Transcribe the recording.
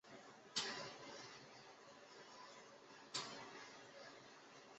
软骨耳蕨为鳞毛蕨科耳蕨属下的一个种。